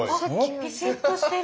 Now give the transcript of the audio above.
ビシッとしてる。